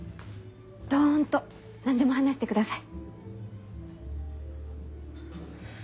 どんと何でも話してください。